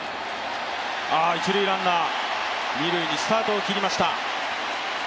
一塁ランナー、二塁にスタートを切りました。